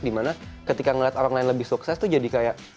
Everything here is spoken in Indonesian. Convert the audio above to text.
dimana ketika ngeliat orang lain lebih sukses tuh jadi kayak